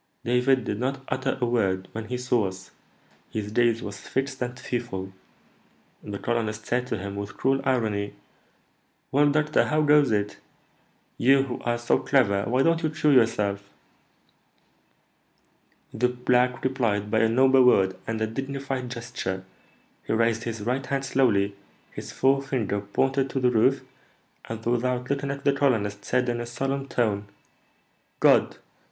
David did not utter a word when he saw us; his gaze was fixed and fearful. The colonist said to him, with cruel irony, 'Well, doctor, how goes it? You, who are so clever, why don't you cure yourself?' The black replied by a noble word and a dignified gesture; he raised his right hand slowly, his forefinger pointed to the roof, and, without looking at the colonist, said in a solemn tone, 'God!'